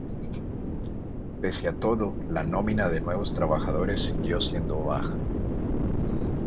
Pese a todo, la nómina de nuevos trabajadores siguió siendo baja.